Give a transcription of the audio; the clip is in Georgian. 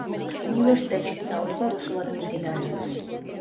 უნივერსიტეტში სწავლება რუსულად მიმდინარეობს.